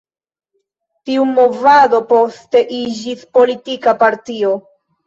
Tiu movado poste iĝis politika partio.